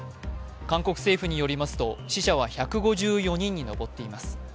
韓国政府によりますと死者は１５４人に上っています。